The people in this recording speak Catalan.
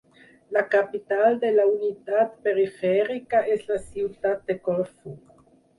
La capital de la unitat perifèrica és la ciutat de Corfú.